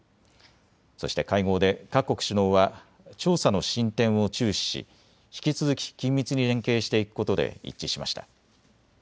そして会合で各国首脳は調査の進展を注視し引き続き緊密に連携していくことで一致しました。